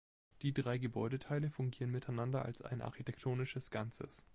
Die drei Gebäudeteile fungieren miteinander als ein architektonisches Ganzes.